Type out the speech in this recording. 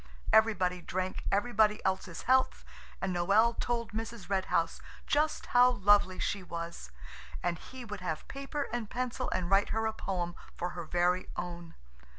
Everybody drank everybody else's health and Noël told Mrs. Red House just how lovely she was, and he would have paper and pencil and write her a poem for her very own.